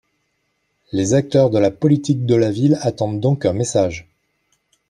Les acteurs de la politique de la ville attendent donc un message.